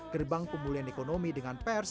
gerbang pemulihan ekonomi dengan pers